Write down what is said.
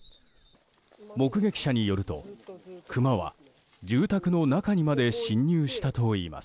目撃者によるとクマは住宅の中にまで侵入したといいます。